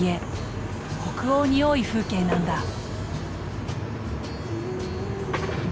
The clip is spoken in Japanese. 北欧に多い風景なんだ。